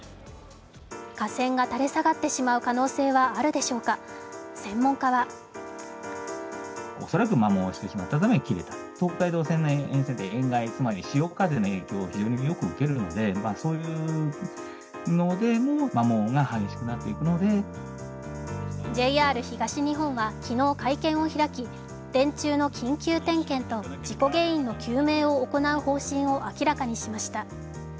架線が垂れ下がってしまう可能性はあるでしょうか専門家はＪＲ東日本は昨日、会見を開き、電柱の緊急点検と事故原因の究明を行う方針を明らかにしました。